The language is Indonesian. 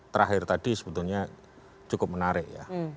terakhir tadi sebetulnya cukup menarik ya